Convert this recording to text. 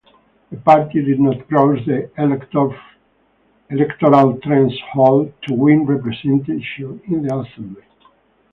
The party did not cross the electoral threshold to win representation in the assembly.